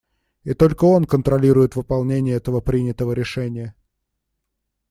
И только он контролирует выполнение этого принятого решения.